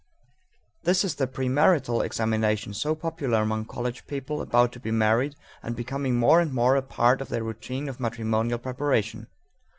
This is the premarital examination so popular among college people about to be married and becoming more and more a part of their routine of matrimonial preparation.